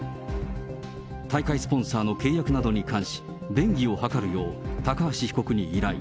大会スポンサーの契約などに関し、便宜を図るよう、高橋被告に依頼。